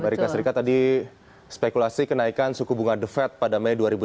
amerika serikat tadi spekulasi kenaikan suku bunga the fed pada mei dua ribu lima belas